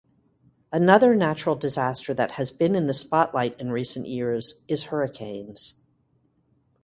Another natural disaster that has been in the spotlight in recent years is hurricanes.